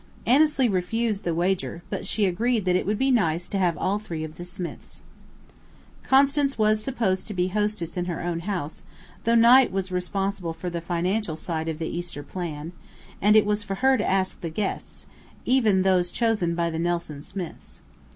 Annesley refused the wager, but she agreed that it would be nice to have all three of the Smiths. Constance was supposed to be hostess in her own house, though Knight was responsible for the financial side of the Easter plan, and it was for her to ask the guests, even those chosen by the Nelson Smiths.